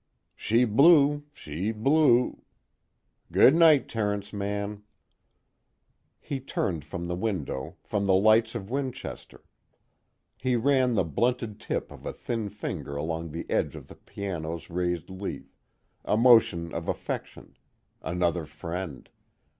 "She blew, she blew ..." "Good night, Terence Mann." He turned from the window, from the lights of Winchester. He ran the blunted tip of a thin finger along the edge of the piano's raised leaf, a motion of affection: another friend.